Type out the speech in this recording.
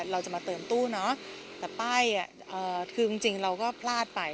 เราจะมาเติมตู้เนาะแต่ป้ายคือจริงเราก็พลาดไป